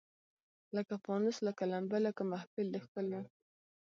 لکه پانوس لکه لمبه لکه محفل د ښکلیو